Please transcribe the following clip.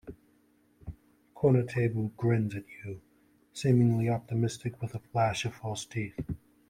Corner Table grins at you, seemingly optimistic, with a flash of false teeth.